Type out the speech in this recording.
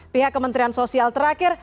pihak kementerian sosial terakhir